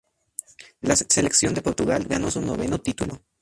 La selección de Portugal ganó su noveno título.